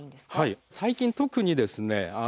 最近特にですね